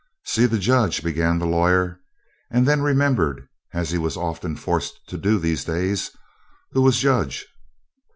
"See the Judge," began the lawyer, and then remembered, as he was often forced to do these days, who was Judge.